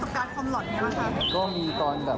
โอเคคอยเจอวัตกาลคอมหล่อนอย่างนี้หรอครับ